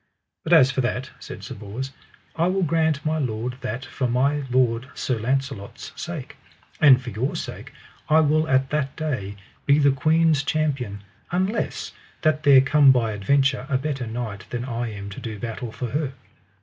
But as for that, said Bors, I will grant my lord that for my lord Sir Launcelot's sake, and for your sake I will at that day be the queen's champion unless that there come by adventure a better knight than I am to do battle for her.